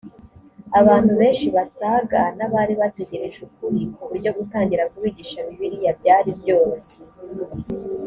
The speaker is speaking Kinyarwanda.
abantu benshi basaga n abari bategereje ukuri ku buryo gutangira kubigisha bibiliya byari byoroshye